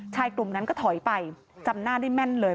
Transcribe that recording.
กลุ่มนั้นก็ถอยไปจำหน้าได้แม่นเลย